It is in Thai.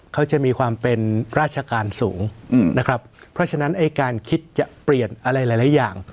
เขาจะมีความเป็นราชการสูงนะครับเพราะฉะนั้นไอ้การคิดจะเปลี่ยนอะไรหลายอย่าง